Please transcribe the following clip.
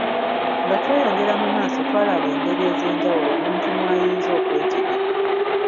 Nga tweyongera mu maaso twalaba engeri ez’enjawulo omuntu mw’ayinza okwetegeka.